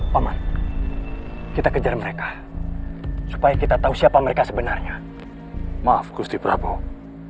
paman kita kejar mereka supaya kita tahu siapa mereka sebenarnya maaf gusti prabowo